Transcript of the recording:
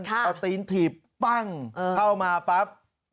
เอาตีนถีบปั้งเข้ามาปั๊บ